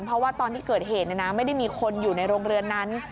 เพราะว่าตอนที่เกิดเหตุไม่ได้มีคนอยู่ในโรงเรือนนั้น